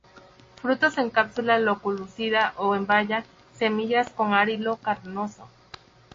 Frutos en cápsula loculicida o en baya, semillas con arilo carnoso.